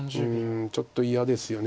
ちょっと嫌ですよね